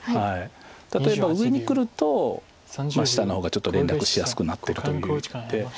例えば上にくると下の方がちょっと連絡しやすくなってると。